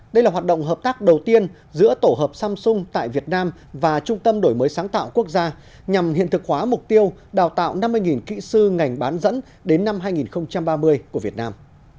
đây là hoạt động hợp tác đầu tiên giữa tổ hợp samsung tại việt nam và trung tâm đổi mới sáng tạo quốc gia nhằm hiện thực hóa mục tiêu đào tạo năm mươi kỹ sư ngành bán dẫn đến năm hai nghìn ba mươi của việt nam